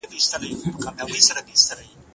کېدای سي پاکوالي ګډ وي؟!